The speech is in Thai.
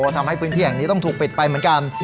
ทำให้พื้นที่แห่งนี้ต้องถูกปิดไปเหมือนกัน